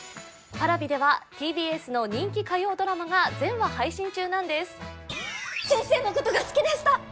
ＰａｒａｖｉではＴＢＳの人気火曜ドラマが全話配信中なんです先生のことが好きでした！